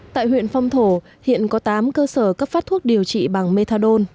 tại huyện phong thổ hiện có tám cơ sở cấp phát thuốc điều trị bằng methadone